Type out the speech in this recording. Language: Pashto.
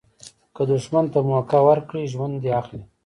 که دوښمن ته موکه ورکړي، ژوند دي اخلي.